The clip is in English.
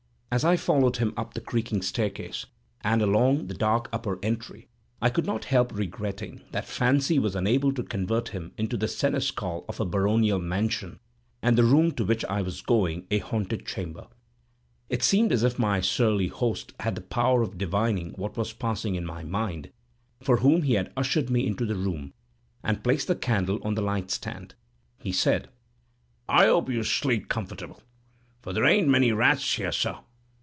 As I followed him up the creaking staircase, and along the dark upper entry, I could not help regretting that fancy was unable to convert him into the seneschal of a baronial mansion, and the room to which I was going a haunted chamber. It seemed as if my surly host had the power of divining what was passing in my mind, for when he had ushered me into the room, and placed the candle on the light stand, he said,— "I hope you'll sleep comfortable, for there ain't many rats here, sir.